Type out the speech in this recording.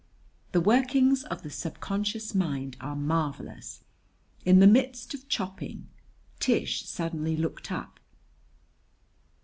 The workings of the subconscious mind are marvelous. In the midst of chopping, Tish suddenly looked up.